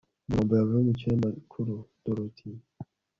Amagambo yavuye mu kinyamakuru Dorothy